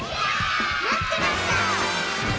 まってました！